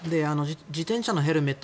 自転車のヘルメット